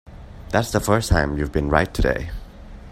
That's the first time you've been right today.